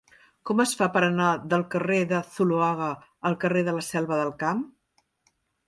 Com es fa per anar del carrer de Zuloaga al carrer de la Selva del Camp?